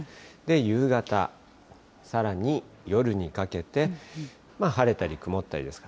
夕方、さらに夜にかけて、晴れたり曇ったりですか。